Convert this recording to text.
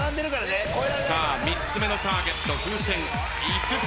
さあ３つ目のターゲット風船５つ。